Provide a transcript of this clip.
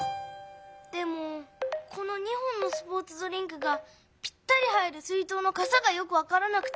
でもこの２本のスポーツドリンクがぴったり入る水とうのかさがよくわからなくて。